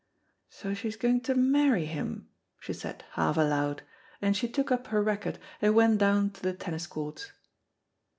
"So she's going to marry him," she said half aloud, and she took up her racquet and went down to the tennis courts.